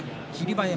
馬山